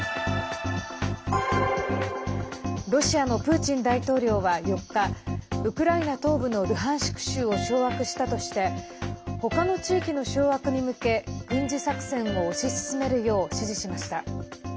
ロシアのプーチン大統領は４日ウクライナ東部のルハンシク州を掌握したとしてほかの地域の掌握に向け軍事作戦を推し進めるよう指示しました。